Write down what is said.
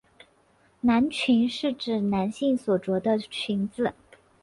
男裙是指男性所着的裙子。